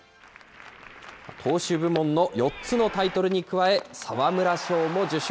投手部門の４つのタイトルに加え、沢村賞も受賞。